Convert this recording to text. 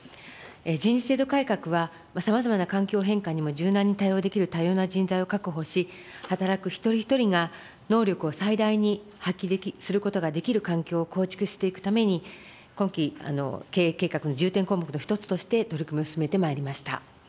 人事制度改革は、さまざまな環境変化にも柔軟に対応できる多様な人材を確保し、働く一人一人が能力を最大に発揮することができる環境を構築していくために、今期、経営計画の重点項目の１つとして取り組みを進めてまいりました。